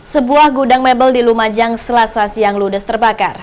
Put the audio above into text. sebuah gudang mebel di lumajang selasa siang ludes terbakar